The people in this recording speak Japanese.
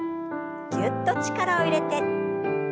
ぎゅっと力を入れて。